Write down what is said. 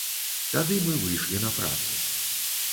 Тады мы выйшлі на працу.